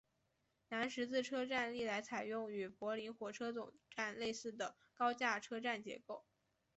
南十字车站历来采用与柏林火车总站类似的高架车站结构。